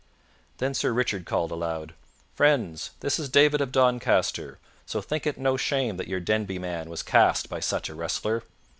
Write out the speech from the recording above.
Then Sir Richard called aloud, "Friends, this is David of Doncaster; so think it no shame that your Denby man was cast by such a wrestler.